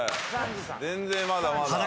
全然まだまだ。